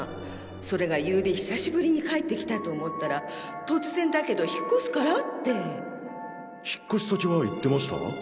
それがゆうべ久しぶりに帰ってきたと思ったら突然だけど引っ越すからって引っ越し先は言ってました？